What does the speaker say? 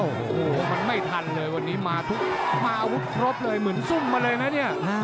โอ้โหมันไม่ทันเลยวันนี้มาทุกมาอาวุธครบเลยเหมือนซุ่มมาเลยนะเนี่ย